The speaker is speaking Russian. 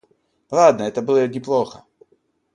Ладно, это было неплохо.